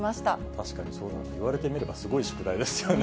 確かにそうだと、言われてみればすごい宿題ですよね。